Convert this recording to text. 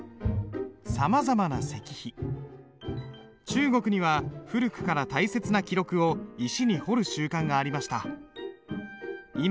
中国には古くから大切な記録を石に彫る習慣がありました。